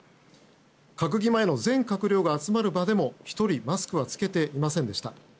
閣議前の全閣僚が集まる場でも１人マスクは着けていませんでした。